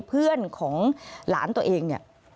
เพื่อนของหลานตัวเอง